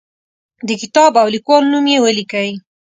د کتاب او لیکوال نوم یې ولیکئ.